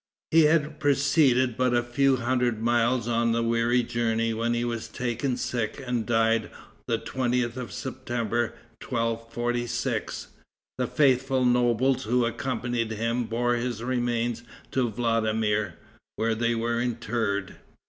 He had proceeded but a few hundred miles on the weary journey when he was taken sick, and died the 20th of September, 1246. The faithful nobles who accompanied him bore his remains to Vladimir, where they were interred.